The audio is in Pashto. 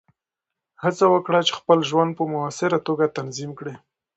هڅه وکړه چې خپل ژوند په مؤثره توګه تنظیم کړې.